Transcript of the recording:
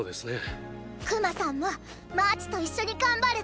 くまさんもマーチといっしょにがんばるって！